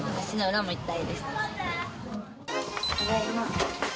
ただいま。